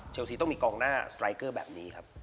ซีต้องมีกองหน้าสไตรเกอร์แบบนี้ครับ